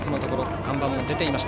看板も出ていました。